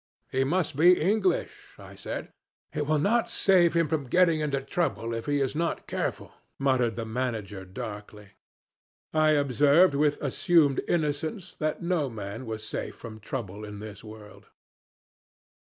'He must be English,' I said. 'It will not save him from getting into trouble if he is not careful,' muttered the manager darkly. I observed with assumed innocence that no man was safe from trouble in this world.